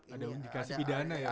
ada indikasi pidana ya